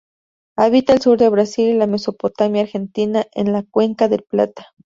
Habita el sur de Brasil y la mesopotamia argentina en la cuenca del Plata.